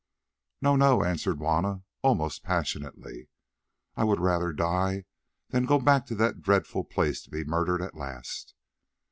"No, no," answered Juanna almost passionately, "I would rather die than go back to that dreadful place to be murdered at last.